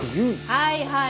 はいはい